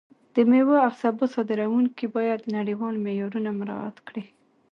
د میوو او سبو صادروونکي باید نړیوال معیارونه مراعت کړي.